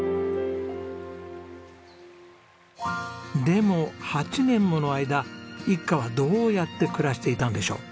でも８年もの間一家はどうやって暮らしていたのでしょう？